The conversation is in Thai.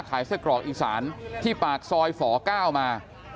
ขายไส้กรอกอีกศาลที่ปากซอยฝ๙มา